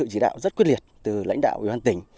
với sự chỉ đạo rất quyết liệt từ lãnh đạo ủy ban tỉnh